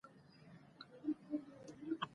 ويېېې دا د جبار زوى صمد نه دى ؟